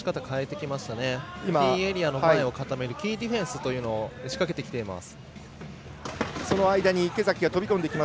キーエリアの中を固めるキーディフェンスというのを仕掛けています。